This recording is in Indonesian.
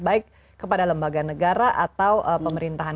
baik kepada lembaga negara atau pemerintahan